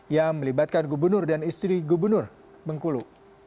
yang melibatkan gubernur dan istri gubernur bengkulu